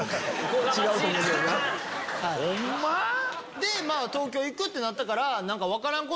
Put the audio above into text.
ホンマ？で東京行くってなったから。